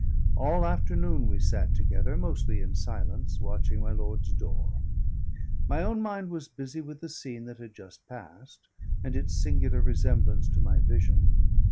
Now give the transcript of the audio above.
All afternoon we sat together, mostly in silence, watching my lord's door. My own mind was busy with the scene that had just passed, and its singular resemblance to my vision.